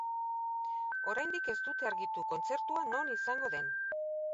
Oraindik ez dute argitu kontzertua non izango den.